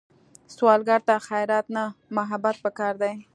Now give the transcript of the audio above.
سوالګر ته خیرات نه، محبت پکار دی